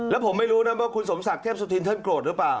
แล้วผมไม่รู้นะว่าคุณสมศักดิ์เทพสุธินท่านโกรธหรือเปล่า